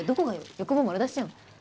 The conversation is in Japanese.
欲望丸出しじゃん。